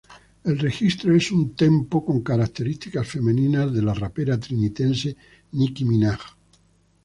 El registro es up-tempo, con características femeninas de la rapera trinitense Nicki Minaj.